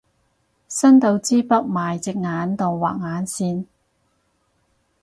伸到支筆埋隻眼度畫眼線